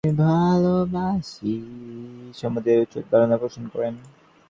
তিনি তুরীয়ানন্দের সম্বন্ধেও খুব উচ্চ ধারণা পোষণ করেন।